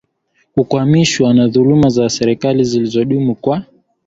kukwamishwa na dhuluma za serikali zilizodumu kwa